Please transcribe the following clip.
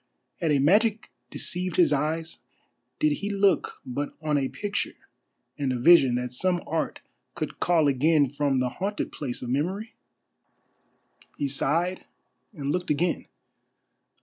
Had a magic deceived his eyes? Did he look but on a picture and a vision that some art could call again from the haunted place of Memory? He sighed and looked again.